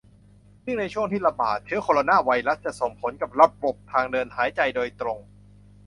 ยิ่งในช่วงที่ ระบาด เชื้อโคโรนาไวรัสจะส่งผลกับระบบทางเดินหายใจโดยตรง